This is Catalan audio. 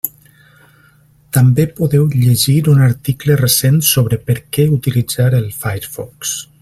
També podeu llegir un article recent sobre per què utilitzar el Firefox.